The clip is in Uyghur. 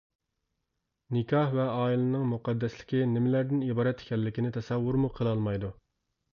نىكاھ ۋە ئائىلىنىڭ مۇقەددەسلىكى نېمىلەردىن ئىبارەت ئىكەنلىكىنى تەسەۋۋۇرمۇ قىلالمايدۇ.